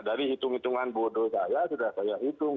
dari hitung hitungan bodoh saya sudah saya hitung